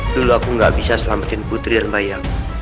dulu aku gak bisa selamatin putri dan bayi aku